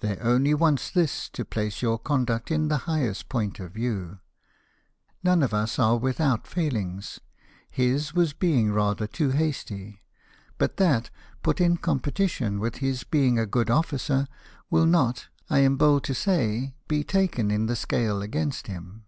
There only wants this to place your conduct in the highest point of view. None of us are without failings ; his was being rather too hasty ; but that, put in competition with his being a good officer, will not, I am bold to say, be taken in the scale against him.